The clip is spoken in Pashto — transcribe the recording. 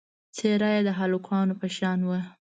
څېره یې د هلکانو په شان وه.